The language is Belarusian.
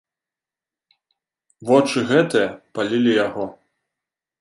Вочы гэтыя палілі яго.